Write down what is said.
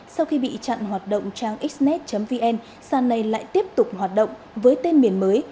sau khi bị chặn hoạt động trang xnet vn sàn này lại tiếp tục hoạt động với tên miền mới